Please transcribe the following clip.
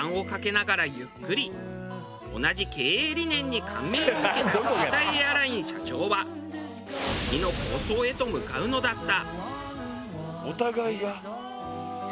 同じ経営理念に感銘を受けた変態エアライン社長は次の抗争へと向かうのだった。